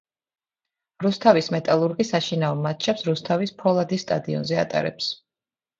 რუსთავის „მეტალურგი“ საშინაო მატჩებს რუსთავის ფოლადის სტადიონზე ატარებს.